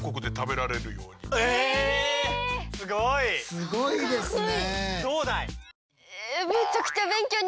すごいですね。